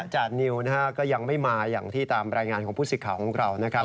จานิวนะฮะก็ยังไม่มาอย่างที่ตามรายงานของผู้สิทธิ์ของเรานะครับ